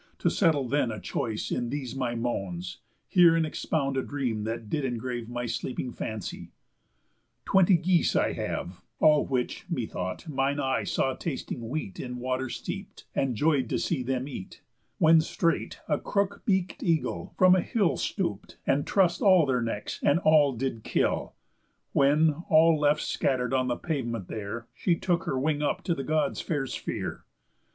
To settle then a choice in these my moans, Hear and expound a dream that did engrave My sleeping fancy: Twenty geese I have, All which, me thought, mine eye saw tasting wheat In water steep'd, and joy'd to see them eat; When straight a crook beak'd eagle from a hill Stoop'd, and truss'd all their necks, and all did kill; When, all left scatter'd on the pavement there, She took her wing up to the Gods' fair sphere.